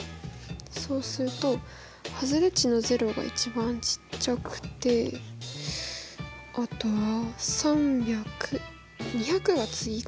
そうすると外れ値の０が一番ちっちゃくてあとは３００２００が次か。